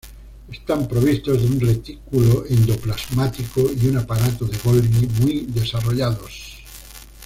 Están provistos de un retículo endoplasmático y un aparato de Golgi muy desarrollados.